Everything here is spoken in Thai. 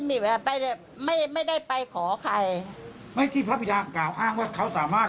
แบบว่าไปแบบไม่ไม่ได้ไปขอใครไม่ที่พระบิดากล่าวอ้างว่าเขาสามารถ